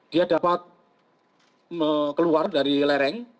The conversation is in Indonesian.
dia dapat keluar dari lereng